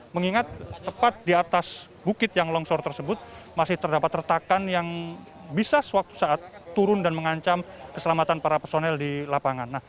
mengingat tepat di atas bukit yang longsor tersebut masih terdapat retakan yang bisa suatu saat turun dan mengancam keselamatan para personel di lapangan